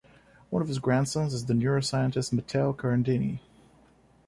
One of his grandsons is the neuroscientist Matteo Carandini.